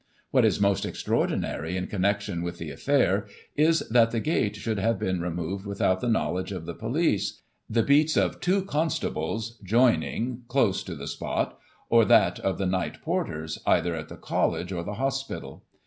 What is most extraordinary in connection with the affair is, that the gate should have been removed without the knowledge of the police, the beats of two constables joining close to the spot, or that of the night porters, either at the College, or the Hospital.